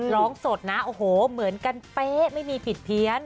ร้องสดนะโอ้โหเหมือนกันเป๊ะไม่มีผิดเพี้ยน